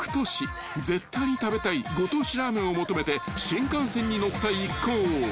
［絶対に食べたいご当地ラーメンを求めて新幹線に乗った一行］